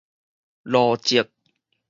路則